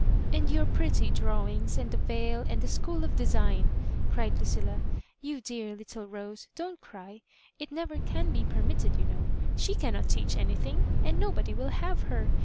"And your pretty drawings, aild the veil, and the School of Design I" cried Lucilla. "You* dear little Rose, don't cry. It never can be pef mitted, you know. She cannot teach anything, and nobody will have her.